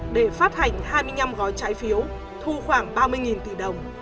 để phát hành hai mươi năm gói trái phiếu thu khoảng ba mươi tỷ đồng